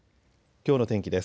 きょうの天気です。